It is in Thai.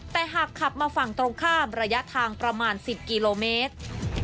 แต่หากขับมาฝั่งตรงข้ามระยะทางประมาณ๑๐กิโลเมตร